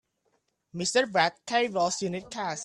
Mr. Brad cables you need cash.